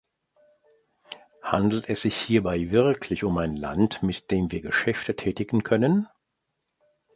Handelt es sich hierbei wirklich um ein Land, mit dem wir Geschäfte tätigen können?